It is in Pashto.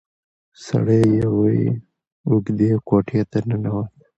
سړی يوې اوږدې کوټې ته ننوت.